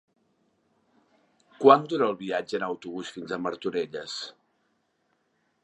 Quant dura el viatge en autobús fins a Martorelles?